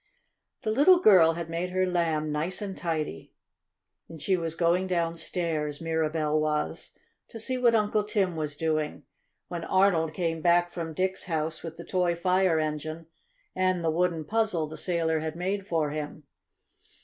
The little girl had made her Lamb nice and tidy, and she was going downstairs, Mirabell was, to see what Uncle Tim was doing, when Arnold came back from Dick's house with the toy fire engine and the wooden puzzle the sailor had made for him.